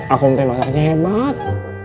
aku mau masaknya hebat